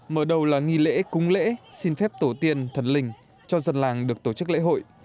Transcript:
mở đầu là nghi lễ cúng lễ xin phép tổ tiên thần linh cho dân làng được tổ chức lễ hội